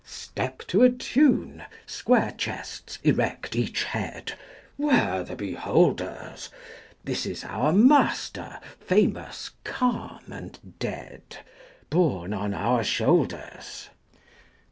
Step to a tune, square chests, erect each head, 25 'Ware the beholders! This is our master, famous, calm, and dead, Borne on our shoulders.